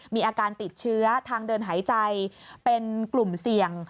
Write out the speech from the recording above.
มีอาการติดเชื้อทางเดินหายใจเป็นกลุ่มเสี่ยง